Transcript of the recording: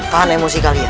paham emosi kalian